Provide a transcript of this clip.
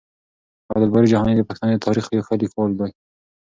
عبدالباري جهاني د پښتنو د تاريخ يو ښه ليکوال دی.